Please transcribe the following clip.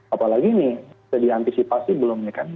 apalagi nih sudah diantisipasi belum ya kan